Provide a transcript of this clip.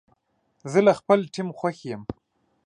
زه له خپل ټیم خوښ یم.